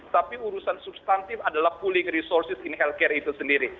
tapi urusan substantif adalah pooling resources in healthcare itu sendiri